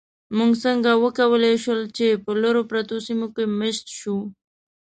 موږ څنګه وکولی شول، چې په لرو پرتو سیمو کې مېشت شو؟